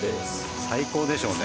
最高でしょうね。